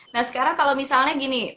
nah sekarang kalau misalnya gini